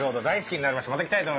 大好きになりました。